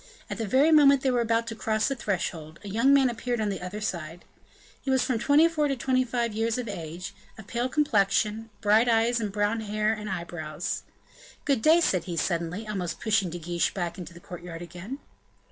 At the very moment they were about to cross the threshold, a young man appeared on the other side. He was from twenty four to twenty five years of age, of pale complexion, bright eyes and brown hair and eyebrows. "Good day," said he, suddenly, almost pushing De Guiche back into the courtyard again.